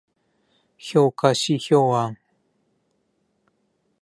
評価指標案